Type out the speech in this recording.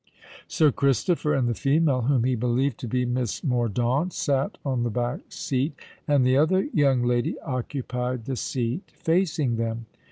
Sir Christopher and the female whom he believed to be Miss Mordaunt, sate on the back seat, and the other young lady occupied the seat facing them.